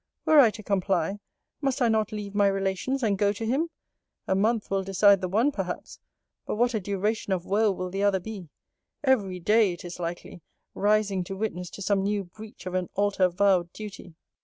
Were I to comply, must I not leave my relations, and go to him? A month will decide the one, perhaps: But what a duration of woe will the other be! Every day, it is likely, rising to witness to some new breach of an altar vowed duty!